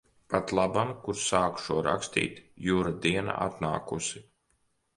Patlaban, kur sāku šo rakstīt, Jura diena atnākusi.